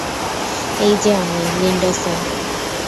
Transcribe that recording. এই যে আমি, লিন্ডসে।